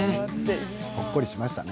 ほっこりしましたね。